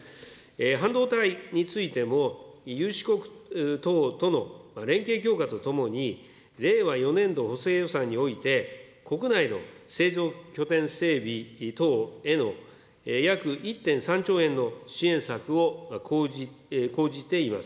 半導体についてもゆうし国等との連携強化とともに、令和４年度補正予算において、国内の製造拠点整備等への約１．３兆円の支援策を講じています。